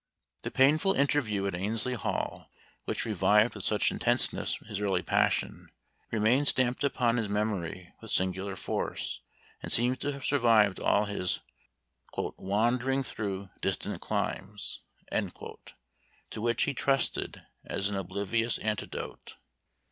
The painful interview at Annesley Hall, which revived with such intenseness his early passion, remained stamped upon his memory with singular force, and seems to have survived all his "wandering through distant climes," to which he trusted as an oblivious antidote.